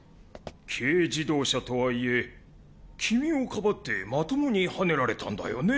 軽自動車とはいえ君をかばってまともにはねられたんだよね？